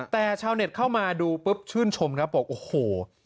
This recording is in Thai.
แต่ชาวเน็ตเข้ามาดูปุ๊บชื่นชมครับบอกโอ้โห